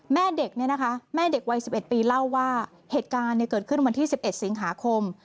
แม่เด็กวัย๑๑ปีเล่าว่าเหตุการณ์เกิดขึ้นวันที่๑๑สิงหาคม